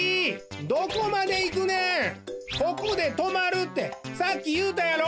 ここでとまるってさっきいうたやろ！